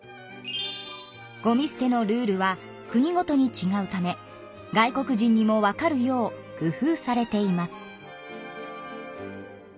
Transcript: ごみすてのルールは国ごとにちがうため外国人にもわかるよう工夫されています。